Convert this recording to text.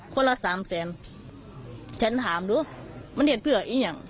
ค่อนร้ายสามแฟนท่านถามดูมันเพราะด้วยอย่าง